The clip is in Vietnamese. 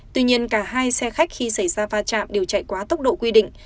tuy nhiên cả hai xe khách khi xảy ra pha trạm đều chạy quá tốc độ quy định